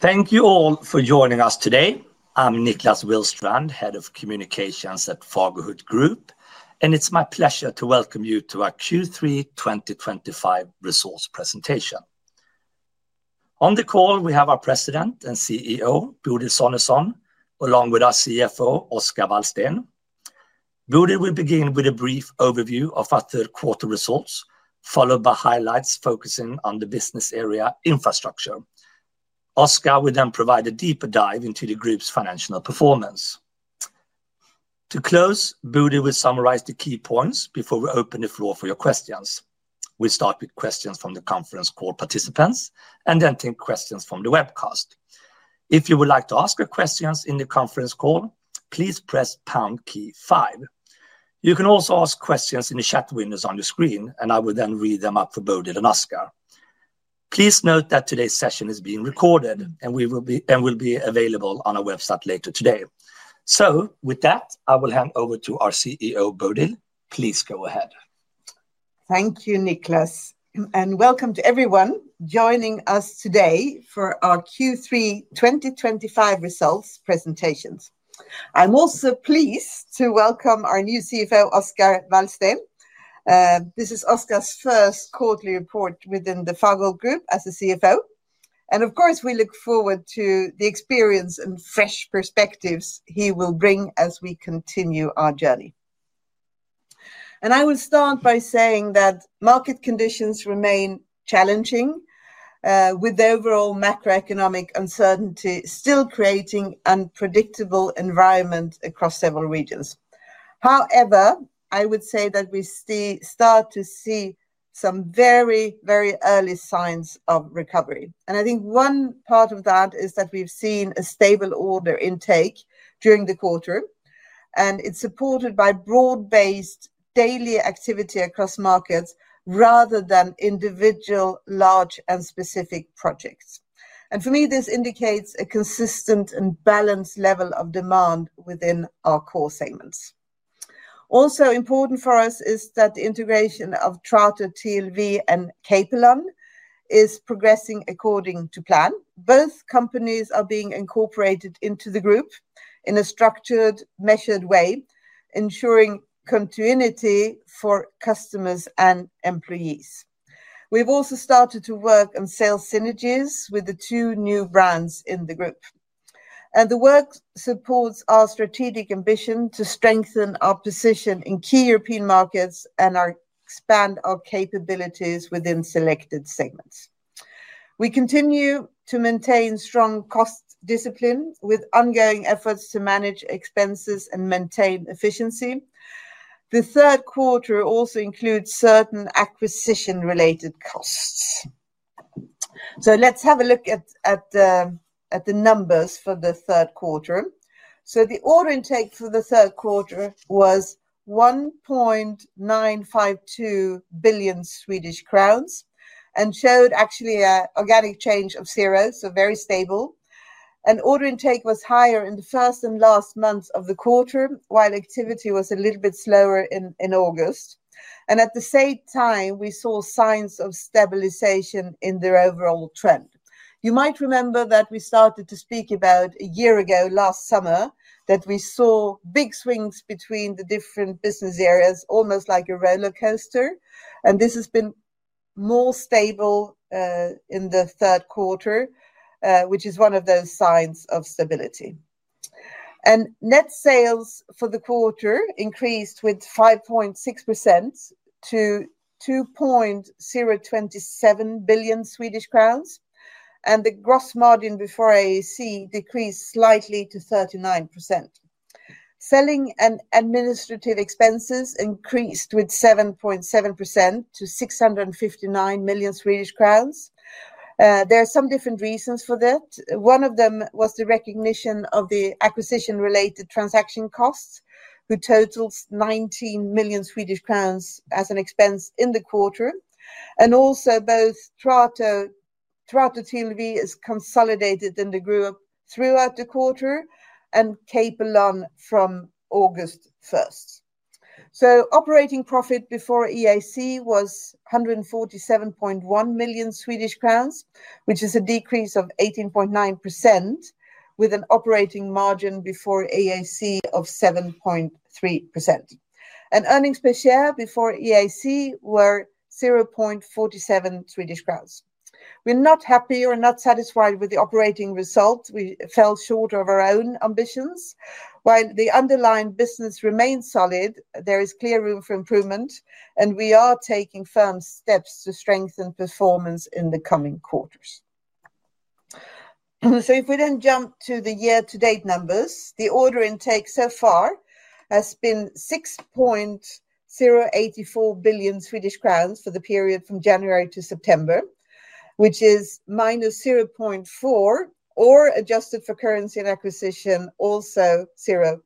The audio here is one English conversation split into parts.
Thank you all for joining us today. I'm Niklas Willstrand, Head of Communications at Fagerhult Group, and it's my pleasure to welcome you to our Q3 2025 results presentation. On the call, we have our President and CEO, Bodil Sonesson, along with our CFO, Oskar Wallstein. Bodil will begin with a brief overview of our third quarter results, followed by highlights focusing on the business area Infrastructure. Oskar will then provide a deeper dive into the group's financial performance. To close, Bodil will summarize the key points before we open the floor for your questions. We start with questions from the conference call participants and then take questions from the webcast. If you would like to ask your questions in the conference call, please press Pound key, five. You can also ask questions in the chat windows on your screen, and I will then read them up for Bodil and Oskar. Please note that today's session is being recorded and will be available on our website later today. With that, I will hand over to our CEO, Bodil. Please go ahead. Thank you, Niklas, and welcome to everyone joining us today for our Q3 2025 results presentations. I'm also pleased to welcome our new CFO, Oskar Wallstein. This is Oskar's first quarterly report within the Fagerhult Group as a CFO, and of course, we look forward to the experience and fresh perspectives he will bring as we continue our journey. I will start by saying that market conditions remain challenging, with the overall macroeconomic uncertainty still creating an unpredictable environment across several regions. However, I would say that we start to see some very, very early signs of recovery, and I think one part of that is that we've seen a stable order intake during the quarter, and it's supported by broad-based daily activity across markets rather than individual, large, and specific projects. For me, this indicates a consistent and balanced level of demand within our core segments. Also important for us is that the integration of Chartered TLV and Capelon is progressing according to plan. Both companies are being incorporated into the group in a structured, measured way, ensuring continuity for customers and employees. We've also started to work on sales synergies with the two new brands in the group, and the work supports our strategic ambition to strengthen our position in key European markets and expand our capabilities within selected segments. We continue to maintain strong cost discipline, with ongoing efforts to manage expenses and maintain efficiency. The third quarter also includes certain acquisition-related costs. Let's have a look at the numbers for the third quarter. The order intake for the third quarter was 1.952 billion Swedish crowns and showed actually an organic change of zero, so very stable. Order intake was higher in the first and last months of the quarter, while activity was a little bit slower in August. At the same time, we saw signs of stabilization in the overall trend. You might remember that we started to speak about a year ago last summer that we saw big swings between the different business areas, almost like a roller coaster, and this has been more stable in the third quarter, which is one of those signs of stability. Net sales for the quarter increased with 5.6% to 2.027 billion Swedish crowns, and the gross margin before IAC decreased slightly to 39%. Selling and administrative expenses increased with 7.7% to 659 million Swedish crowns. There are some different reasons for that. One of them was the recognition of the acquisition-related transaction costs, which totaled 19 million Swedish crowns as an expense in the quarter. Also, both Chartered TLV is consolidated in the group throughout the quarter and Capelon from August 1st. Operating profit before IAC was 147.1 million Swedish crowns, which is a decrease of 18.9%, with an operating margin before IAC of 7.3%. Earnings per share before IAC were 0.47 Swedish crowns. We're not happy or not satisfied with the operating result. We fell short of our own ambitions. While the underlying business remains solid, there is clear room for improvement, and we are taking firm steps to strengthen performance in the coming quarters. If we then jump to the year-to-date numbers, the order intake so far has been 6.084 billion Swedish crowns for the period from January to September, which is -0.4% or, adjusted for currency and acquisition, also 0%.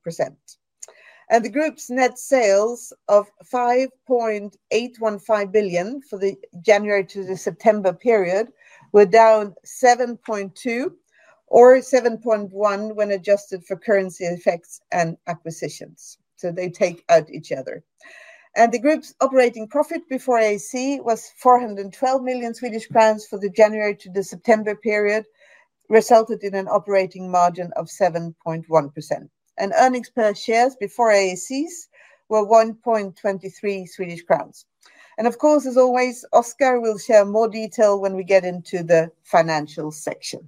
The group's net sales of 5.815 billion for the January to September period were down 7.2% or 7.1% when adjusted for currency effects and acquisitions. They take out each other. The group's operating profit before IAC was 412 million Swedish crowns for the January to September period, resulting in an operating margin of 7.1%. Earnings per share before IAC were 1.23 Swedish crowns. Of course, as always, Oskar will share more detail when we get into the financial section.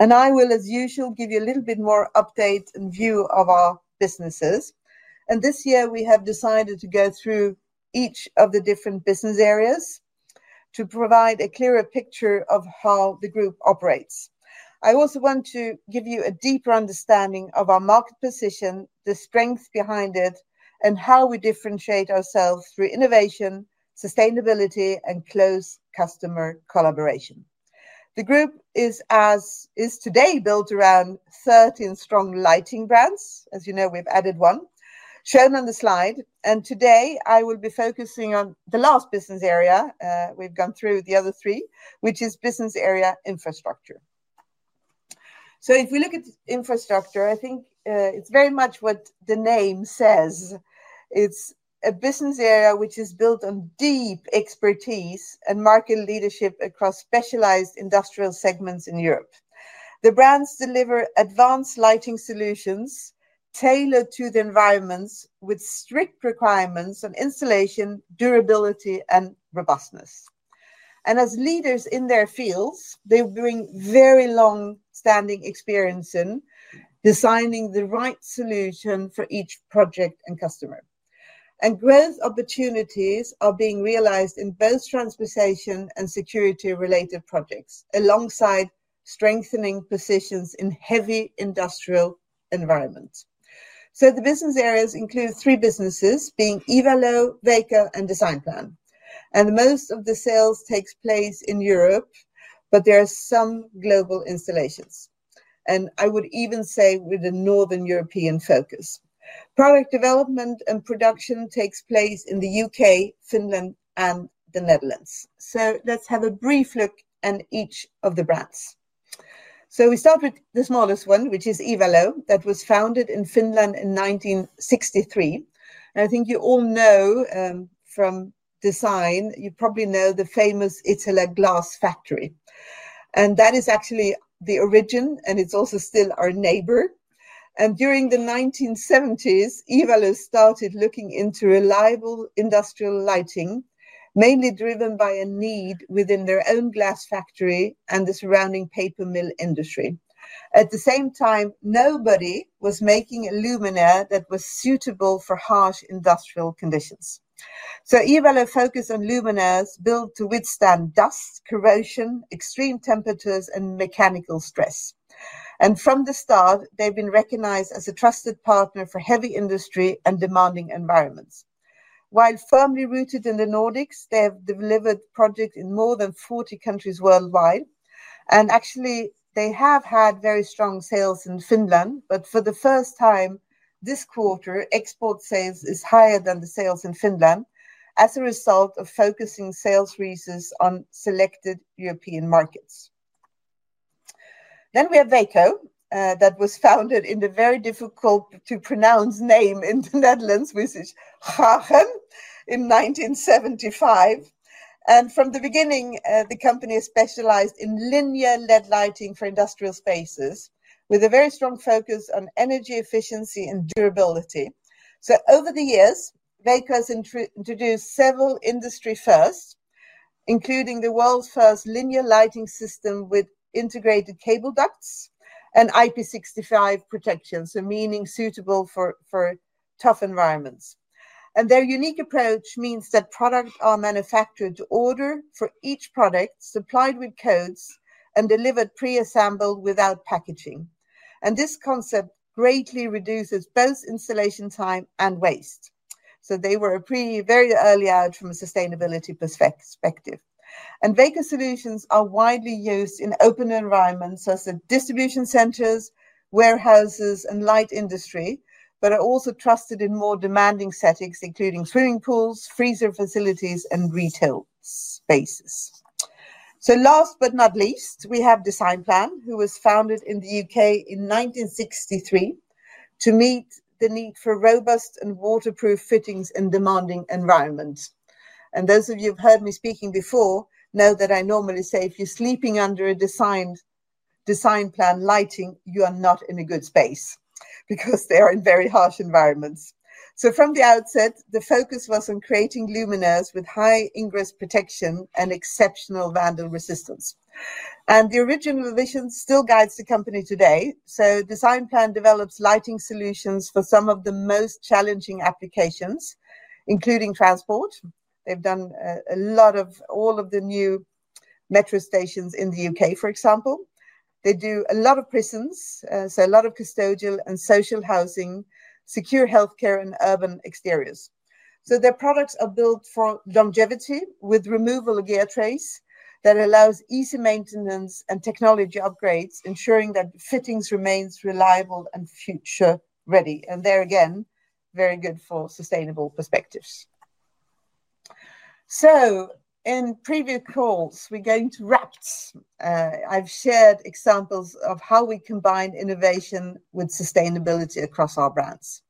I will, as usual, give you a little bit more update and view of our businesses. This year, we have decided to go through each of the different business areas to provide a clearer picture of how the group operates. I also want to give you a deeper understanding of our market position, the strengths behind it, and how we differentiate ourselves through innovation, sustainability, and close customer collaboration. The group is, as is today, built around 13 strong lighting brands. As you know, we've added one, shown on the slide. Today, I will be focusing on the last business area. We've gone through the other three, which is business area Infrastructure. If we look at Infrastructure, I think it's very much what the name says. It's a business area which is built on deep expertise and market leadership across specialized industrial segments in Europe. The brands deliver advanced lighting solutions tailored to the environments with strict requirements on installation, durability, and robustness. As leaders in their fields, they bring very long-standing experience in designing the right solution for each project and customer. Growth opportunities are being realized in both transportation and security-related projects, alongside strengthening positions in heavy industrial environments. The business areas include three businesses, being Evalo, Veko, and Designplan. Most of the sales take place in Europe, but there are some global installations. I would even say with a Northern European focus. Product development and production take place in the U.K., Finland, and the Netherlands. Let's have a brief look at each of the brands. We start with the smallest one, which is Evalo, that was founded in Finland in 1963. I think you all know from design, you probably know the famous Iittala Glass Factory. That is actually the origin, and it's also still our neighbor. During the 1970s, Evalo started looking into reliable industrial lighting, mainly driven by a need within their own glass factory and the surrounding paper mill industry. At the same time, nobody was making a luminaire that was suitable for harsh industrial conditions. Evalo focused on luminaires built to withstand dust, corrosion, extreme temperatures, and mechanical stress. From the start, they've been recognized as a trusted partner for heavy industry and demanding environments. While firmly rooted in the Nordics, they have delivered projects in more than 40 countries worldwide. Actually, they have had very strong sales in Finland, but for the first time this quarter, export sales are higher than the sales in Finland, as a result of focusing sales resources on selected European markets. We have Veko, that was founded in the very difficult to pronounce name in the Netherlands, which is Schagen, in 1975. From the beginning, the company has specialized in linear LED lighting for industrial spaces, with a very strong focus on energy efficiency and durability. Over the years, Veko has introduced several industry-firsts, including the world's first linear lighting system with integrated cable ducts and IP65 protection, meaning suitable for tough environments. Their unique approach means that products are manufactured to order for each project, supplied with codes, and delivered pre-assembled without packaging. This concept greatly reduces both installation time and waste. They were very early out from a sustainability perspective. Veko solutions are widely used in open environments such as distribution centers, warehouses, and light industry, but are also trusted in more demanding settings, including swimming pools, freezer facilities, and retail spaces. Last but not least, we have Designplan, who was founded in the U.K. in 1963 to meet the need for robust and waterproof fittings in demanding environments. Those of you who've heard me speaking before know that I normally say if you're sleeping under a Designplan lighting, you are not in a good space because they are in very harsh environments. From the outset, the focus was on creating luminaires with high ingress protection and exceptional vandal resistance. The original vision still guides the company today. Designplan develops lighting solutions for some of the most challenging applications, including transport. They've done a lot of all of the new metro stations in the U.K., for example. They do a lot of prisons, so a lot of custodial and social housing, secure healthcare, and urban exteriors. Their products are built for longevity with removal of gear trays that allows easy maintenance and technology upgrades, ensuring that fittings remain reliable and future-ready. There again, very good for sustainable perspectives. In previous calls, we're going to Wrapped. I've shared examples of how we combine innovation with sustainability across our brands.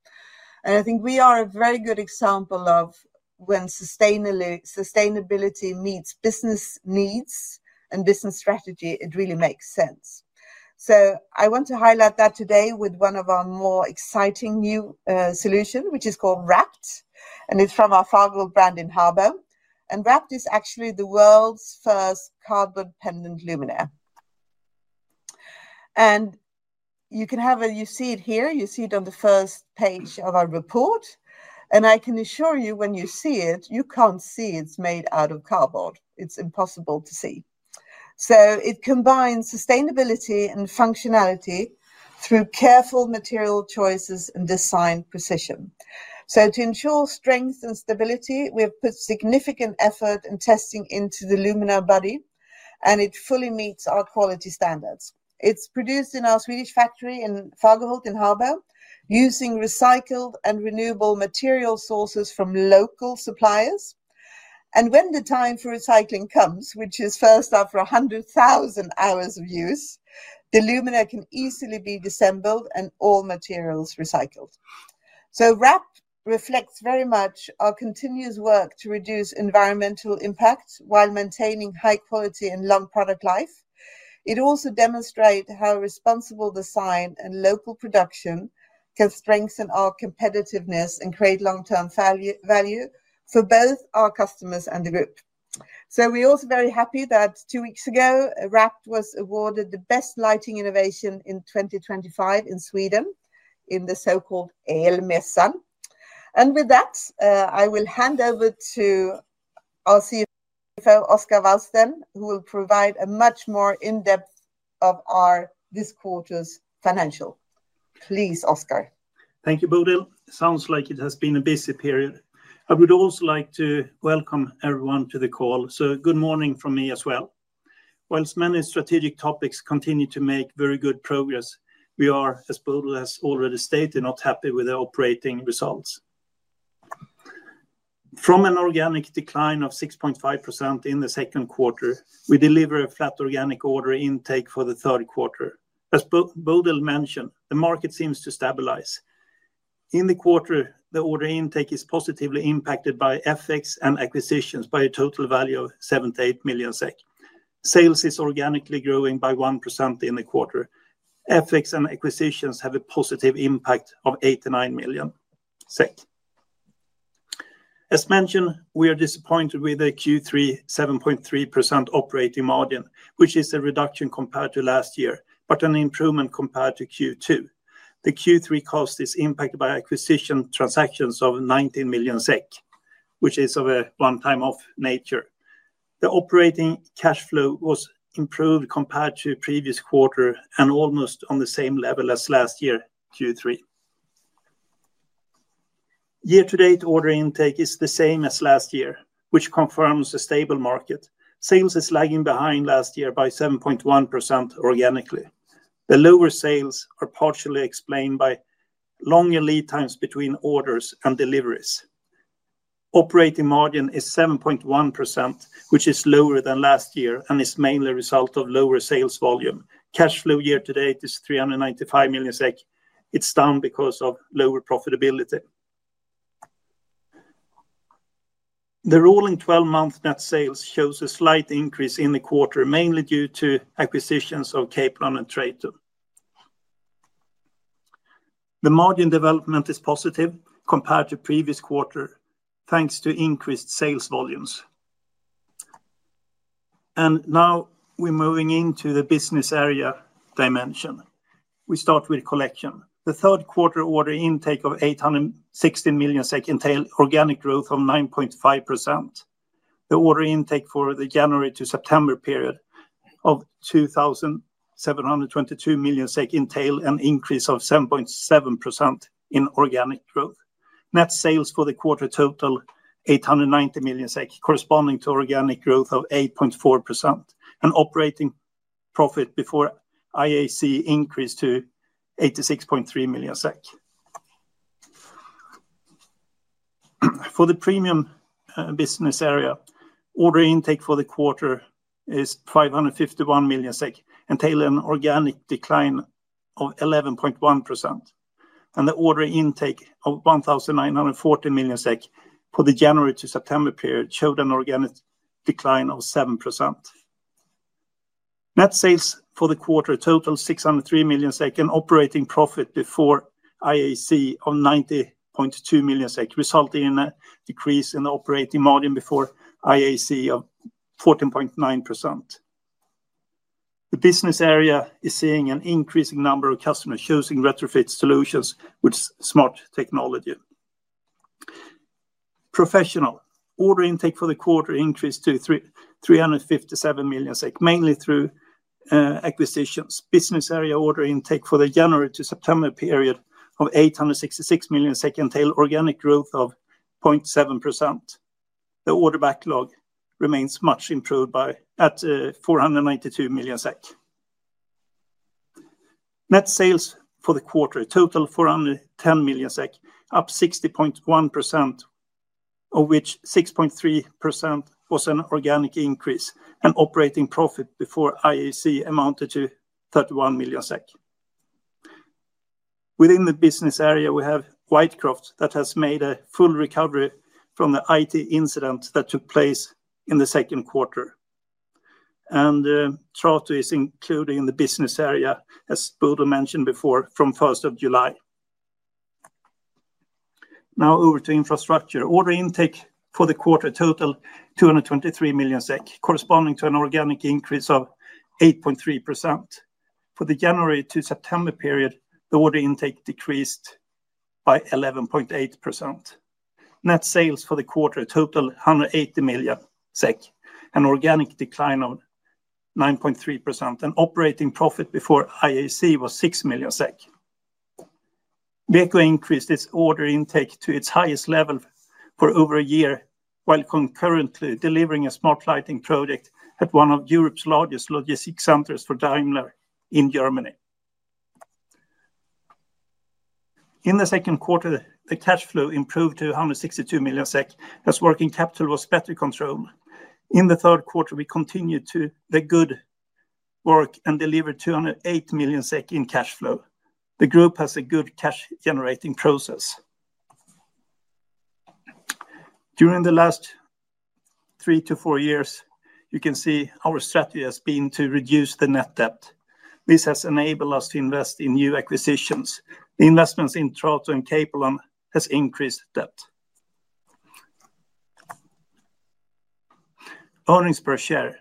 I think we are a very good example of when sustainability meets business needs and business strategy, it really makes sense. I want to highlight that today with one of our more exciting new solutions, which is called Wrapped, and it's from our Fagerhult brand in Habo. Wrapped is actually the world's first cardboard pendant luminaire. You see it here, you see it on the first page of our report. I can assure you when you see it, you can't see it's made out of cardboard. It's impossible to see. It combines sustainability and functionality through careful material choices and design precision. To ensure strength and stability, we have put significant effort in testing into the luminaire body, and it fully meets our quality standards. It's produced in our Swedish factory in Fagerhult in Habo, using recycled and renewable material sources from local suppliers. When the time for recycling comes, which is first after 100,000 hours of use, the luminaire can easily be disassembled and all materials recycled. Wrapped reflects very much our continuous work to reduce environmental impacts while maintaining high quality and long product life. It also demonstrates how responsible design and local production can strengthen our competitiveness and create long-term value for both our customers and the group. We're also very happy that two weeks ago, Wrapped was awarded the best lighting innovation in 2025 in Sweden in the so-called Elmässan. With that, I will hand over to our CFO, Oskar Wallstein, who will provide a much more in-depth view of our this quarter's financial. Please, Oskar. Thank you, Bodil. Sounds like it has been a busy period. I would also like to welcome everyone to the call. Good morning from me as well. While many strategic topics continue to make very good progress, we are, as Bodil has already stated, not happy with the operating results. From an organic decline of 6.5% in the second quarter, we deliver a flat organic order intake for the third quarter. As Bodil mentioned, the market seems to stabilize. In the quarter, the order intake is positively impacted by FX and acquisitions by a total value of 78 million SEK. Sales are organically growing by 1% in the quarter. FX and acquisitions have a positive impact of 89 million SEK. As mentioned, we are disappointed with a Q3 7.3% operating margin, which is a reduction compared to last year, but an improvement compared to Q2. The Q3 cost is impacted by acquisition transactions of 19 million SEK, which is of a one-time-off nature. The operating cash flow was improved compared to the previous quarter and almost on the same level as last year Q3. Year-to-date order intake is the same as last year, which confirms a stable market. Sales are lagging behind last year by 7.1% organically. The lower sales are partially explained by longer lead times between orders and deliveries. Operating margin is 7.1%, which is lower than last year and is mainly a result of lower sales volume. Cash flow year to date is 395 million SEK. It's down because of lower profitability. The rolling 12-month net sales show a slight increase in the quarter, mainly due to acquisitions of Capelon and Chartered. The margin development is positive compared to the previous quarter, thanks to increased sales volumes. Now we're moving into the business area dimension. We start with Collection. The third quarter order intake of 816 million SEK entails organic growth of 9.5%. The order intake for the January to September period of 2,722 million entails an increase of 7.7% in organic growth. Net sales for the quarter total 890 million SEK, corresponding to organic growth of 8.4%. Operating profit before IAC increased to 86.3 million SEK. For the Premium business area, order intake for the quarter is 551 million SEK, entailing an organic decline of 11.1%. The order intake of 1,940 million SEK for the January to September period showed an organic decline of 7%. Net sales for the quarter total 603 million SEK and operating profit before IAC of 90.2 million SEK, resulting in a decrease in the operating margin before IAC of 14.9%. The business area is seeing an increasing number of customers choosing retrofit solutions with smart technology. Professional order intake for the quarter increased to 357 million SEK, mainly through acquisitions. Business area order intake for the January to September period of 866 million entails organic growth of 0.7%. The order backlog remains much improved at 492 million SEK. Net sales for the quarter total 410 million SEK, up 60.1%, of which 6.3% was an organic increase, and operating profit before IAC amounted to 31 million SEK. Within the business area, we have Whitecroft that has made a full recovery from the IT incident that took place in the second quarter. Charteredis included in the business area, as Bodil mentioned before, from 1st of July. Now over to infrastructure. Order intake for the quarter total 223 million SEK, corresponding to an organic increase of 8.3%. For the January to September period, the order intake decreased by 11.8%. Net sales for the quarter total 180 million SEK, an organic decline of 9.3%. Operating profit before IAC was 6 million SEK. Veko increased its order intake to its highest level for over a year, while concurrently delivering a smart lighting project at one of Europe's largest logistics centers for Daimler in Germany. In the second quarter, the cash flow improved to 162 million SEK, as working capital was better controlled. In the third quarter, we continued the good work and delivered 208 million SEK in cash flow. The group has a good cash-generating process. During the last three to four years, you can see our strategy has been to reduce the net debt. This has enabled us to invest in new acquisitions. The investments in Chartered and Capelon have increased debt. Earnings per share.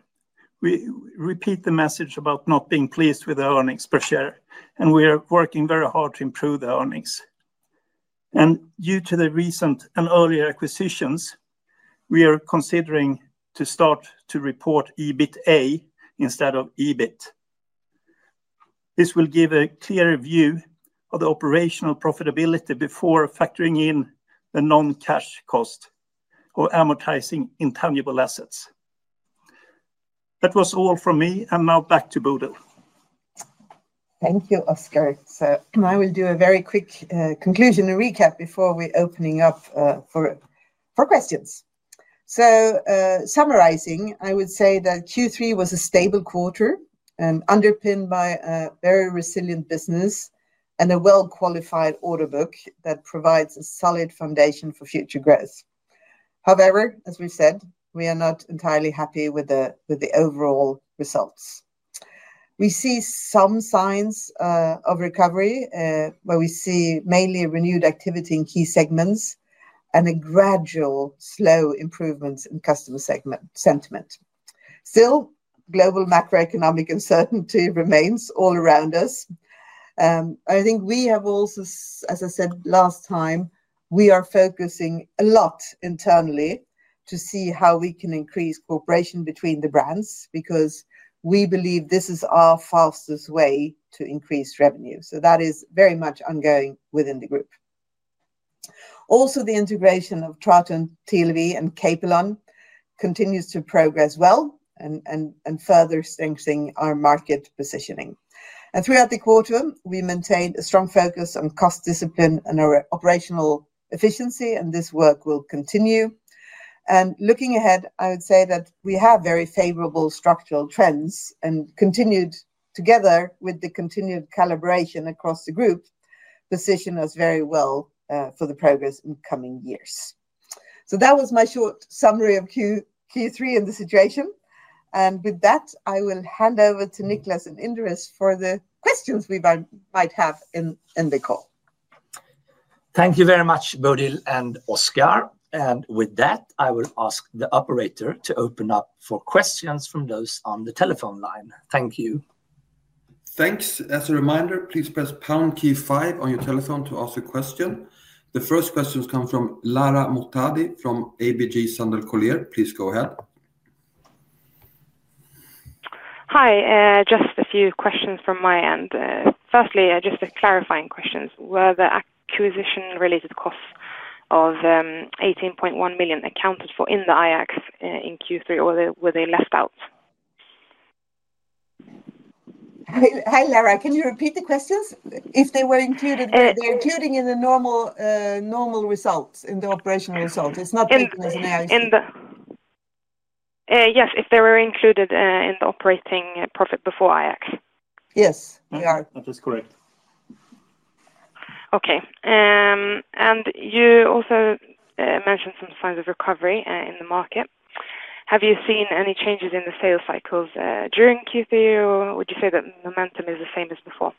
We repeat the message about not being pleased with the earnings per share, and we are working very hard to improve the earnings. Due to the recent and earlier acquisitions, we are considering to start to report EBITDA instead of EBIT. This will give a clearer view of the operational profitability before factoring in the non-cash cost of amortizing intangible assets. That was all from me, now back to Bodil. Thank you, Oskar. I will do a very quick conclusion and recap before we open up for questions. Summarizing, I would say that Q3 was a stable quarter, underpinned by a very resilient business and a well-qualified order book that provides a solid foundation for future growth. However, as we've said, we are not entirely happy with the overall results. We see some signs of recovery, where we see mainly renewed activity in key segments and gradual slow improvements in customer sentiment. Still, global macroeconomic uncertainty remains all around us. I think we have also, as I said last time, we are focusing a lot internally to see how we can increase cooperation between the brands because we believe this is our fastest way to increase revenue. That is very much ongoing within the group. Also, the integration of TLV and Capelon continues to progress well and further strengthen our market positioning. Throughout the quarter, we maintained a strong focus on cost discipline and our operational efficiency, and this work will continue. Looking ahead, I would say that we have very favorable structural trends, and continued together with the continued calibration across the group, position us very well for the progress in the coming years. That was my short summary of Q3 and the situation. With that, I will hand over to Niklas and Indris for the questions we might have in the call. Thank you very much, Bodil and Oskar. With that, I will ask the operator to open up for questions from those on the telephone line. Thank you. Thanks. As a reminder, please press pound Key, five on your telephone to ask a question. The first question comes from Lara Mohtadi from ABG Sundal Collier. Please go ahead. Hi, just a few questions from my end. Firstly, just a clarifying question. Were the acquisition-related costs of 18.1 million accounted for in the IACs in Q3, or were they left out? Hi, Lara. Can you repeat the questions? If they were included, they're included in the normal results, in the operational results. It's not taken as an IAC? Yes, if they were included in the operating profit before IACs. Yes, they are. That is correct. Okay. You also mentioned some signs of recovery in the market. Have you seen any changes in the sales cycles during Q3, or would you say that the momentum is the same as before?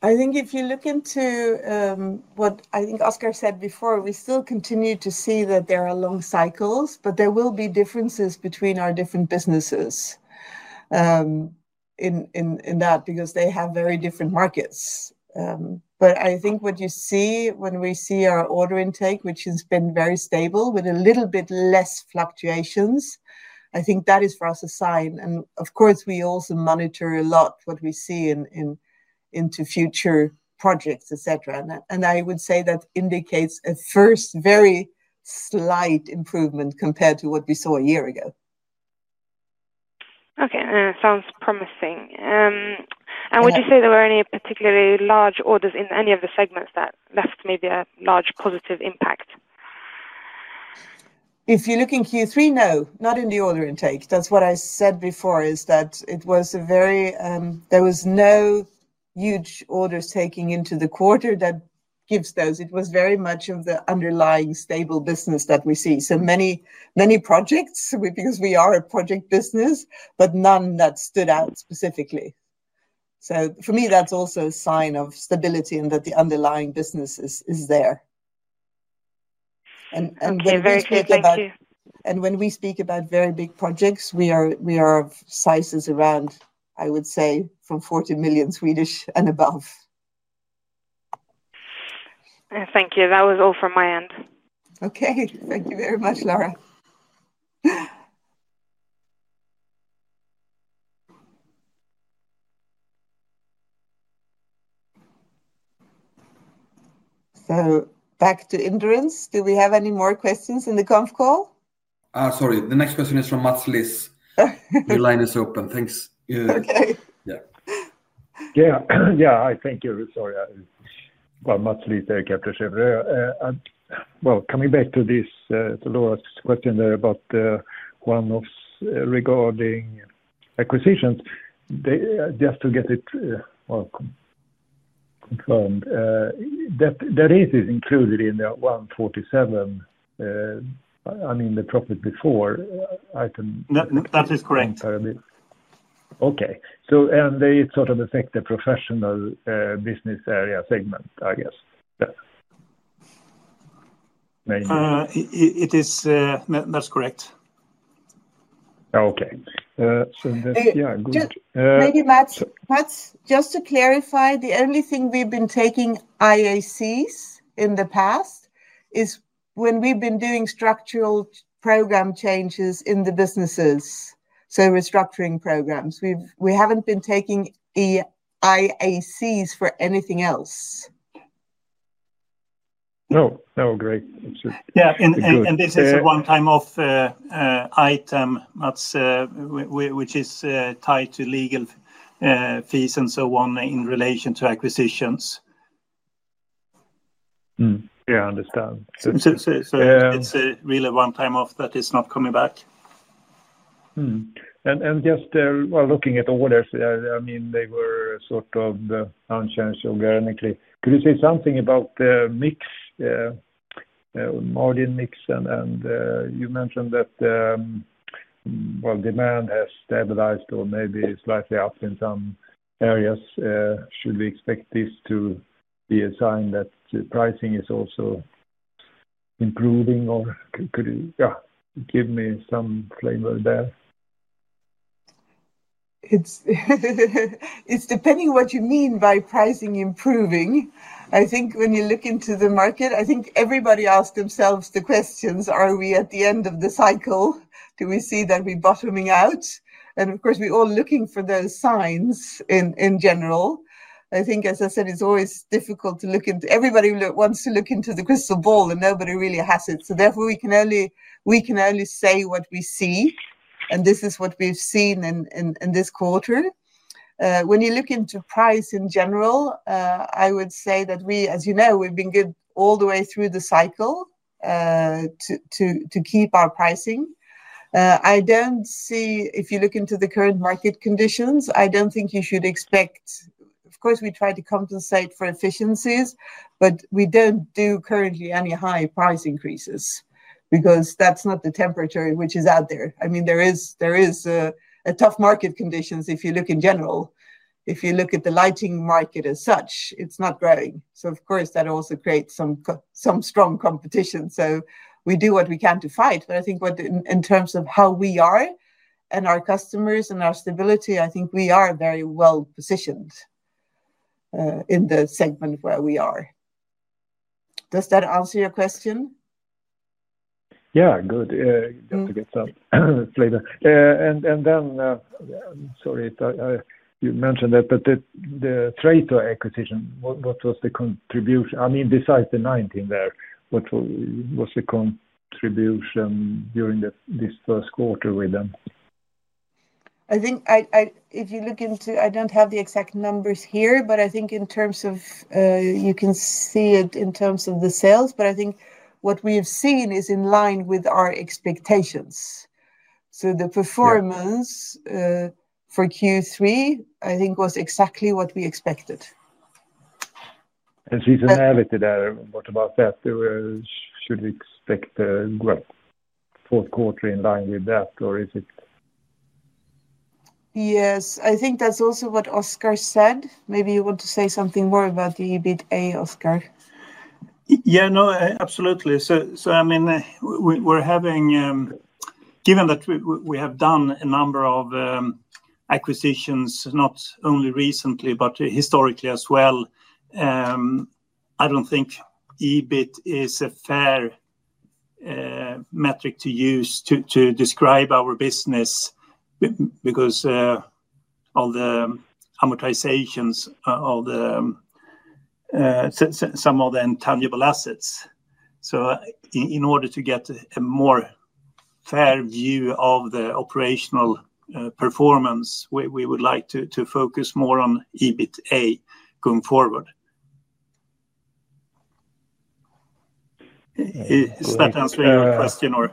I think if you look into what I think Oskar said before, we still continue to see that there are long cycles, but there will be differences between our different businesses in that because they have very different markets. I think what you see when we see our order intake, which has been very stable with a little bit less fluctuations, I think that is for us a sign. Of course, we also monitor a lot what we see into future projects, etc. I would say that indicates a first very slight improvement compared to what we saw a year ago. Okay. It sounds promising. Would you say there were any particularly large orders in any of the segments that left maybe a large positive impact? If you look in Q3, not in the order intake. That's what I said before, it was a very, there were no huge orders taken into the quarter that gives those. It was very much of the underlying stable business that we see. Many, many projects, because we are a project business, but none that stood out specifically. For me, that's also a sign of stability and that the underlying business is there. Very clear to us. When we speak about very big projects, we are of sizes around, I would say, from 40 million and above. Thank you. That was all from my end. Thank you very much, Lara. Back to Indris. Do we have any more questions in the conference call? Sorry. The next question is from Mats Liss. Your line is open. Thanks. Okay. Yeah. Thank you. Sorry. Mats Liss here, Kepler Cheuvreux. Coming back to this last question about the one regarding acquisitions, just to get it confirmed, that is included in the 147, I mean, the profit before item. That is correct. Okay. It sort of affects the professional business area segment, I guess. That's correct. Okay, yeah, good. Maybe Mats, just to clarify, the only thing we've been taking IACs in the past is when we've been doing structural program changes in the businesses, so restructuring programs. We haven't been taking IACs for anything else. No, great. Absolutely. This is a one-time-off item, Mats, which is tied to legal fees and so on in relation to acquisitions. Yeah, I understand. It is really a one-time-off that is not coming back. While looking at orders, I mean, they were sort of unchanged organically. Could you say something about the mix, margin mix? You mentioned that demand has stabilized or maybe slightly up in some areas. Should we expect this to be a sign that pricing is also improving? Could you give me some flavor there? It's depending on what you mean by pricing improving. I think when you look into the market, I think everybody asks themselves the questions, are we at the end of the cycle? Do we see that we're bottoming out? Of course, we're all looking for those signs in general. I think, as I said, it's always difficult to look into everybody who wants to look into the crystal ball, and nobody really has it. Therefore, we can only say what we see, and this is what we've seen in this quarter. When you look into price in general, I would say that we, as you know, we've been good all the way through the cycle to keep our pricing. I don't see, if you look into the current market conditions, I don't think you should expect, of course, we try to compensate for efficiencies, but we don't do currently any high price increases because that's not the temperature which is out there. I mean, there are tough market conditions. If you look in general, if you look at the lighting market as such, it's not growing. Of course, that also creates some strong competition. We do what we can to fight. I think in terms of how we are and our customers and our stability, I think we are very well positioned in the segment where we are. Does that answer your question? Yeah, good. Just to get some flavor. Sorry, you mentioned that, but theTLV acquisition, what was the contribution? I mean, besides the 19 there, what was the contribution during this first quarter with them? I think if you look into, I don't have the exact numbers here, but I think in terms of, you can see it in terms of the sales. I think what we've seen is in line with our expectations. The performance for Q3, I think, was exactly what we expected. Sweden have it there. What about that? Should we expect a growth fourth quarter in line with that, or is it? Yes, I think that's also what Oskar said. Maybe you want to say something more about the EBITDA, Oskar? Yeah, no, absolutely. I mean, we're having, given that we have done a number of acquisitions, not only recently, but historically as well, I don't think EBITDA is a fair metric to use to describe our business because of the amortizations of some of the intangible assets. In order to get a more fair view of the operational performance, we would like to focus more on EBITDA going forward. Is that answering your question or?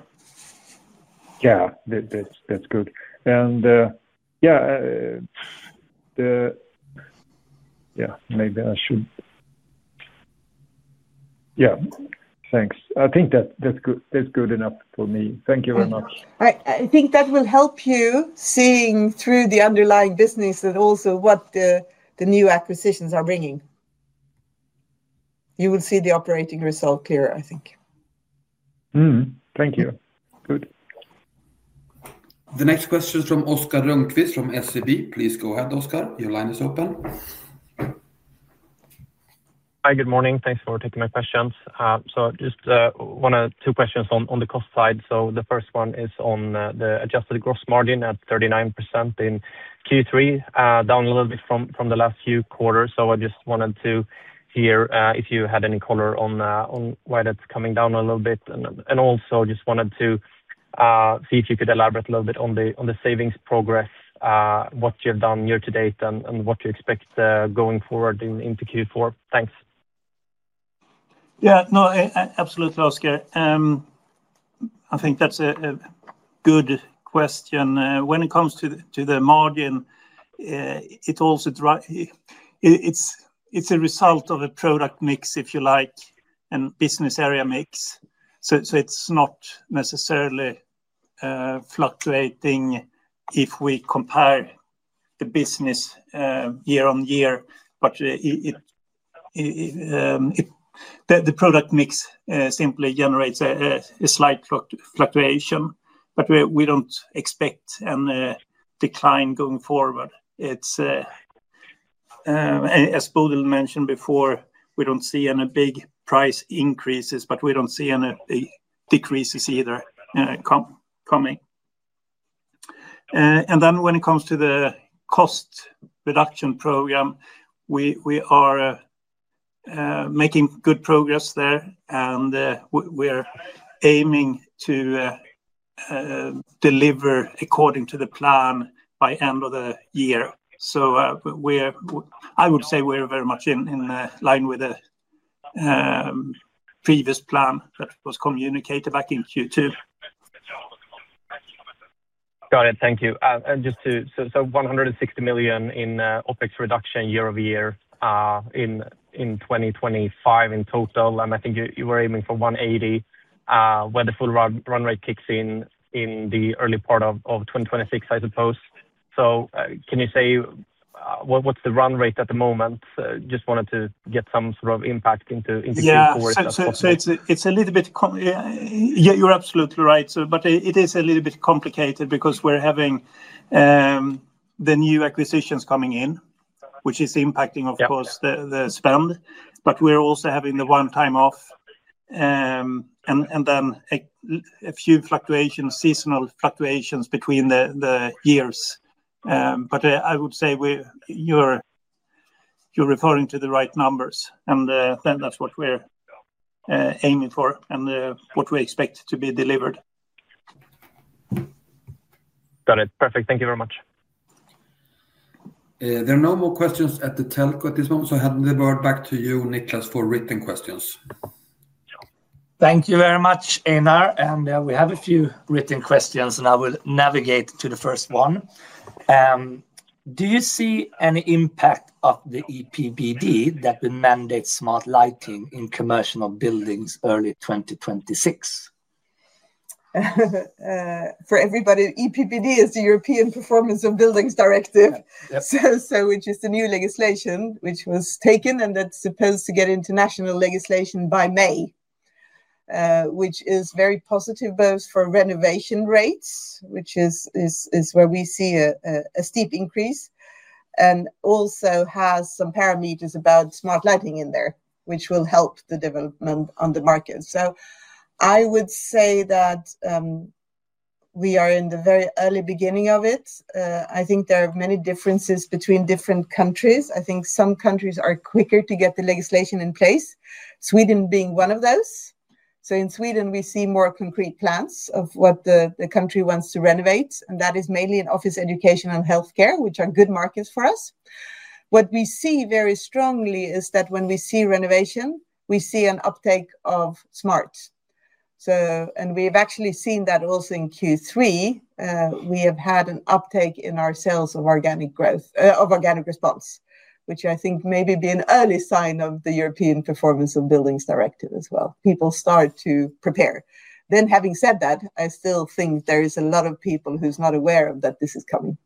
Yeah, that's good. Yeah, maybe I should, yeah, thanks. I think that's good enough for me. Thank you very much. I think that will help you seeing through the underlying business and also what the new acquisitions are bringing. You will see the operating result clearer, I think. Thank you. Good. The next question is from Oskar Rönnqvist from SEB. Please go ahead, Oskar. Your line is open. Hi, good morning. Thanks for taking my questions. I just wanted two questions on the cost side. The first one is on the adjusted gross margin at 39% in Q3, down a little bit from the last few quarters. I just wanted to hear if you had any color on why that's coming down a little bit. I just wanted to see if you could elaborate a little bit on the savings progress, what you've done year to date, and what you expect going forward into Q4. Thanks. Yeah, no absolutely, Oskar. I think that's a good question. When it comes to the margin, it's a result of a product mix, if you like, and business area mix. It's not necessarily fluctuating if we compare the business year on year, but the product mix simply generates a slight fluctuation. We don't expect a decline going forward. As Bodil mentioned before, we don't see any big price increases, but we don't see any big decreases either coming. When it comes to the cost reduction program, we are making good progress there, and we are aiming to deliver according to the plan by the end of the year. I would say we're very much in line with the previous plan that was communicated back in Q2. Got it. Thank you. Just to, so 160 million in OpEx reduction year over year in 2025 in total. I think you were aiming for 180 million when the full run rate kicks in in the early part of 2026, I suppose. Can you say what's the run rate at the moment? Just wanted to get some sort of impact into Q4. Yeah, it's a little bit, yeah, you're absolutely right. It is a little bit complicated because we're having the new acquisitions coming in, which is impacting, of course, the spend. We're also having the one-time-off and then a few seasonal fluctuations between the years. I would say you're referring to the right numbers, and that's what we're aiming for and what we expect to be delivered. Got it. Perfect. Thank you very much. There are no more questions at the telco at this moment, so I hand the word back to you, Niklas, for written questions. Thank you very much, Einar. We have a few written questions, and I will navigate to the first one. Do you see any impact of the EPBD that would mandate smart lighting in commercial buildings early 2026? For everybody, EPBD is the European Performance of Buildings Directive, which is the new legislation which was taken, and that's supposed to get international legislation by May, which is very positive both for renovation rates, which is where we see a steep increase, and also has some parameters about smart lighting in there, which will help the development on the market. I would say that we are in the very early beginning of it. I think there are many differences between different countries. I think some countries are quicker to get the legislation in place, Sweden being one of those. In Sweden, we see more concrete plans of what the country wants to renovate, and that is mainly in office, education, and healthcare, which are good markets for us. What we see very strongly is that when we see renovation, we see an uptake of smart. We have actually seen that also in Q3. We have had an uptake in our sales of organic growth, of organic response, which I think may be an early sign of the European Performance of Buildings Directive as well. People start to prepare. Having said that, I still think there are a lot of people who are not aware of that this is coming.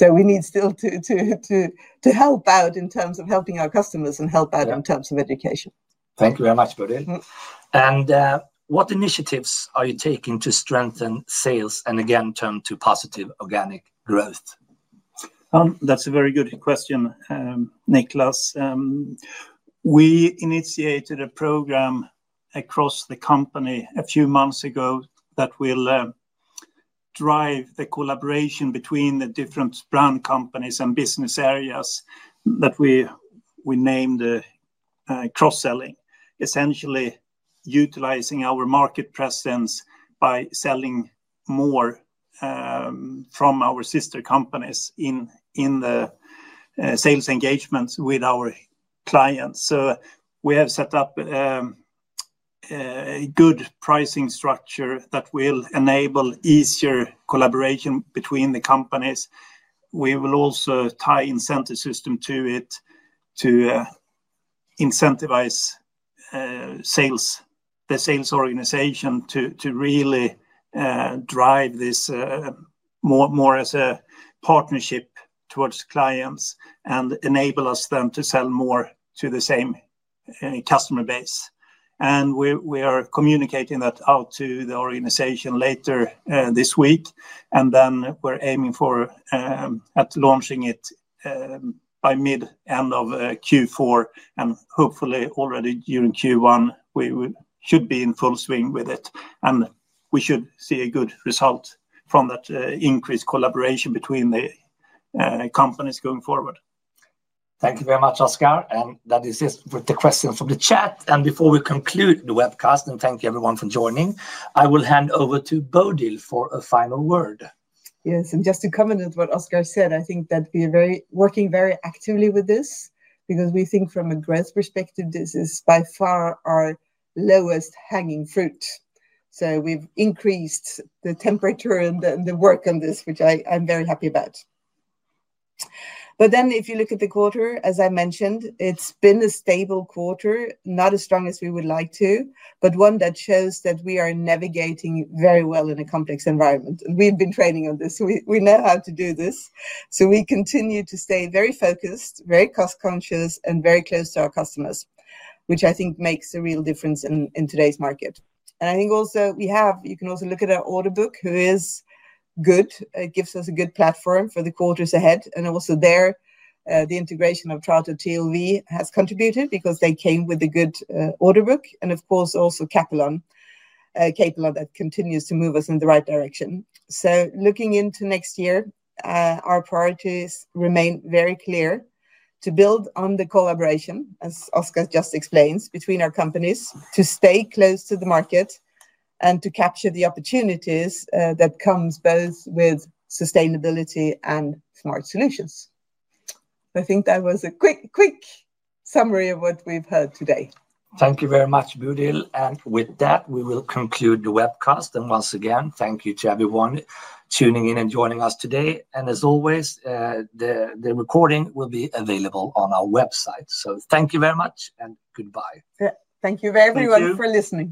We need still to help out in terms of helping our customers and help out in terms of education. Thank you very much, Bodil. What initiatives are you taking to strengthen sales and again turn to positive organic growth? That's a very good question, Niklas. We initiated a program across the company a few months ago that will drive the collaboration between the different brand companies and business areas that we named cross-selling, essentially utilizing our market presence by selling more from our sister companies in the sales engagements with our clients. We have set up a good pricing structure that will enable easier collaboration between the companies. We will also tie an incentive system to it to incentivize the sales organization to really drive this more as a partnership towards clients and enable us then to sell more to the same customer base. We are communicating that out to the organization later this week. We're aiming for launching it by mid-end of Q4. Hopefully, already during Q1, we should be in full swing with it. We should see a good result from that increased collaboration between the companies going forward. Thank you very much, Oskar. That is it with the questions from the chat. Before we conclude the webcast, and thank you everyone for joining, I will hand over to Bodil for a final word. Yes, and just to comment on what Oskar said, I think that we are working very actively with this because we think from a growth perspective, this is by far our lowest hanging fruit. We have increased the temperature and the work on this, which I'm very happy about. If you look at the quarter, as I mentioned, it's been a stable quarter, not as strong as we would like to, but one that shows that we are navigating very well in a complex environment. We have been training on this. We know how to do this. We continue to stay very focused, very cost-conscious, and very close to our customers, which I think makes a real difference in today's market. I think also we have, you can also look at our order book, which is good. It gives us a good platform for the quarters ahead. Also there, the integration of Chartered TLV has contributed because they came with a good order book. Of course, also Capelon continues to move us in the right direction. Looking into next year, our priorities remain very clear to build on the collaboration, as Oskar just explained, between our companies, to stay close to the market, and to capture the opportunities that come both with sustainability and smart solutions. I think that was a quick summary of what we've heard today. Thank you very much, Bodil. With that, we will conclude the webcast. Once again, thank you to everyone tuning in and joining us today. As always, the recording will be available on our website. Thank you very much and goodbye. Thank you very much for listening.